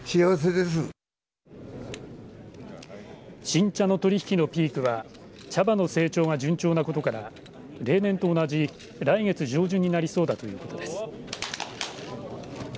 新茶の取り引きのピークは茶葉の成長が順調なことから例年と同じ来月上旬になりそうだということです。